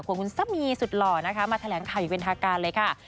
ขวังคุณสมียสุดหล่อนะคะมาแถลงข่าวอยู่เวียนทางการเลยค่ะ